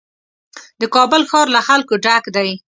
د کابل ښار له خلکو ډک دی.